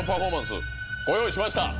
ご用意しました！